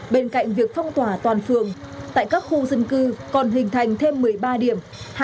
bên cạnh việc phong tỏa toàn phường tại các khu dân cư còn hình thành thêm một mươi ba điểm